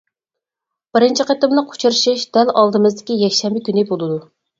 بىرىنچى قېتىملىق ئۇچرىشىش دەل ئالدىمىزدىكى يەكشەنبە كۈنى بولىدۇ!